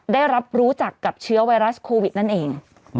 ได้รับรู้จักกับเชื้อไวรัสโควิดนั่นเอง